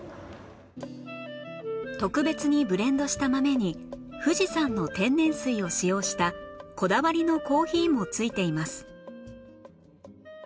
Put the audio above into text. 特別にブレンドした豆に富士山の天然水を使用したこだわりのコーヒーもついています